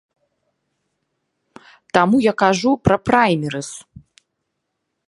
Таму я кажу пра праймерыз.